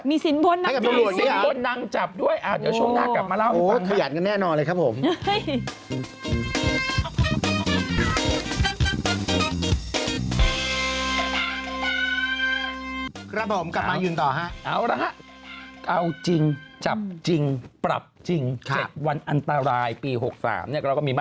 มีสินบนนำจับด้วยหรือเปล่าสินบนนำจับด้วยอ่ะเดี๋ยวชวนหน้ากลับมาเล่าให้ฟังค่ะ